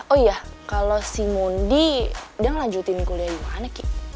oh iya kalo si mundi dia ngelanjutin kuliah di mana ki